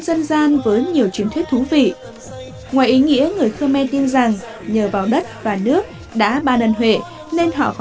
đó là tiểu tiết của lễ thức cúng